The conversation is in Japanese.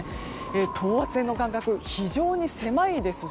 等圧線の間隔、非常に狭いですし